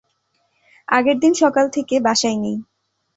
আগেরদিন সকাল থেকে বাসায় নেই।